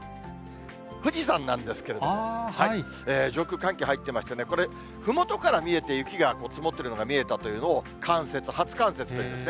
富士山なんですけれども、上空寒気入ってましてね、これ、ふもとから見て雪が積もっているのが見えたというのを冠雪、初冠雪というんですね。